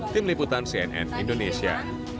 tim liputan cnn indonesia